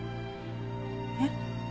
えっ？